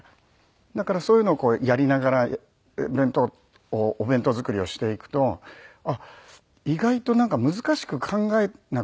だからそういうのをやりながらお弁当作りをしていくと意外となんか難しく考えなくてよかったんだなというか。